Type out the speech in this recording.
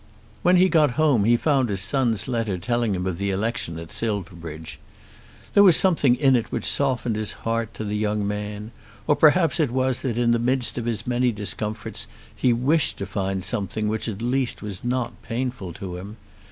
When he got home he found his son's letter telling him of the election at Silverbridge. There was something in it which softened his heart to the young man, or perhaps it was that in the midst of his many discomforts he wished to find something which at least was not painful to him.